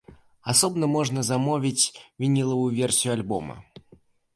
Асобна можна замовіць вінілавую версію альбома.